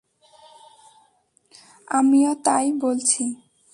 আমিও তাই বলছি।